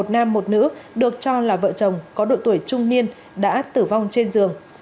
một nam một nữ được cho là vợ chồng có độ tuổi trung niên đã tử vong trên giường